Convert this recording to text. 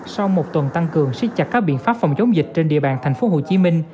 sau một tuần tăng cường xích chặt các biện pháp phòng chống dịch trên địa bàn tp hcm